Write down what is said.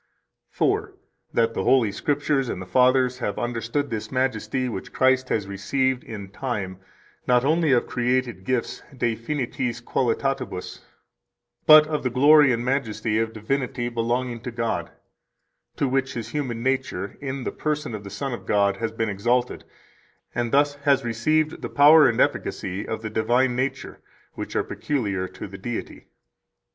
102 That the Holy Scriptures and the fathers have understood this majesty which Christ has received in time not only of created gifts de finitis qualitatibus, but of the glory and majesty of divinity belonging to God, to which His human nature, in the person of the Son of God, has been exalted, and thus has received the power and efficacy of the divine nature which are peculiar to the Deity.